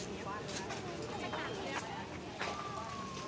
สวัสดีครับทุกคน